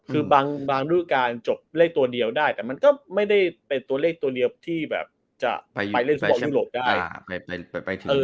คือบางรูปการณ์จบเลขตัวเดียวได้แต่มันก็ไม่ได้เป็นตัวเลขตัวเดียวที่แบบจะไปเล่นฟุตบอลยุโรปได้ไปถึง